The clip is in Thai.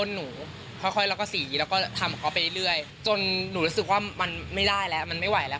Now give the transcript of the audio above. หนูรู้สึกว่ามันไม่ได้แล้วมันไม่ไหวแล้ว